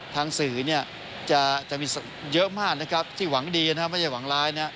ทางสื่อจะมีเยอะมากที่หวังดีไม่ใช่หวังร้าย